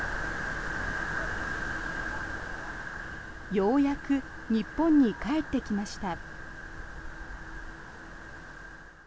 ようやく日本に帰ってきました。